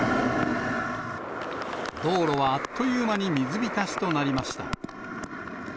道路はあっという間に水浸しとなりました。